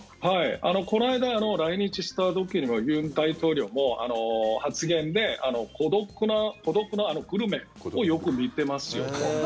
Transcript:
この間来日した時の尹大統領も発言で「孤独のグルメ」をよく見ていますよと。